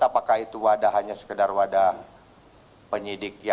apakah itu wadah hanya sekedar wadah penyidik